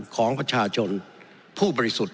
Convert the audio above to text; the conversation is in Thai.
ของประชาชนผู้บริสุทธิ์